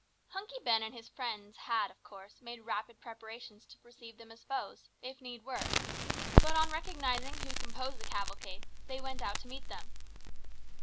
Hunky Ben and his friends had, of course, made rapid preparations to receive them as foes, if need were; but on recognising who composed the cavalcade, they went out to meet them.